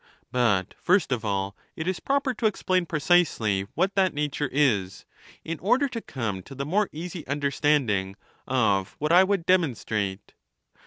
But, first of all, it is proper to explain precisely what that nature is, in order to come to the more easy understanding of what I would demonstrate.